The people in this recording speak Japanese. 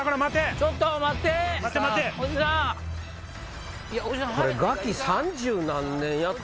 ちょっと待って。